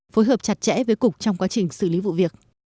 phối hợp chặt chẽ với cục trong quá trình xử lý vụ việc